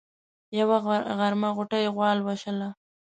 يوه غرمه غوټۍ غوا لوشله.